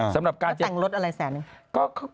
สำหรับการเจอก็แต่งรถอะไรแสนนึง